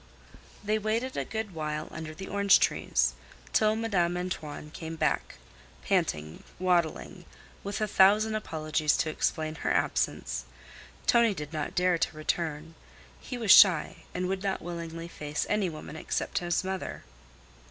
They waited a good while under the orange trees, till Madame Antoine came back, panting, waddling, with a thousand apologies to explain her absence. Tonie did not dare to return. He was shy, and would not willingly face any woman except his mother.